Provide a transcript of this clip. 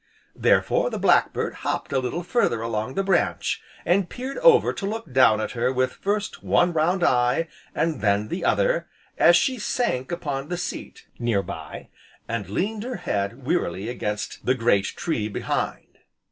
Therefore the black bird hopped a little further along the branch, and peered over to look down at her with first one round eye, and then the other, as she sank upon the seat, near by, and leaned her head wearily against the great tree, behind.